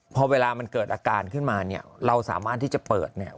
พอเวลามันเกิดอาการขึ้นมาเนี่ยเราสามารถที่จะเปิดเนี่ย